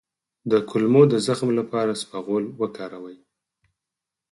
د کولمو د زخم لپاره اسپغول وکاروئ